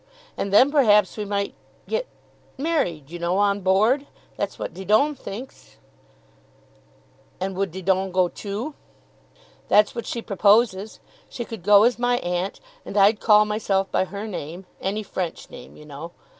And then, perhaps, we might get married, you know, on board. That's what Didon thinks." "And would Didon go too?" "That's what she proposes. She could go as my aunt, and I'd call myself by her name; any French name you know.